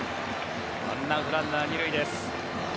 ワンアウトランナー、２塁です。